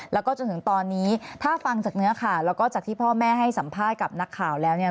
แล้วก็จนถึงตอนนี้ถ้าฟังจากเนื้อข่าวแล้วก็จากที่พ่อแม่ให้สัมภาษณ์กับนักข่าวแล้วเนี่ย